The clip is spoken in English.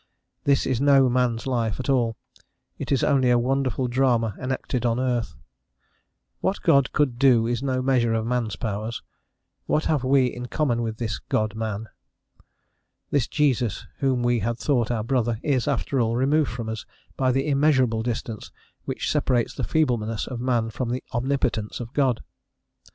This is no man's life at all, it is only a wonderful drama enacted on earth. What God could do is no measure of man's powers: what have we in common with this "God man?" This Jesus, whom we had thought our brother, is after all, removed from us by the immeasurable distance which separates the feebleness of man from the omnipotence of God.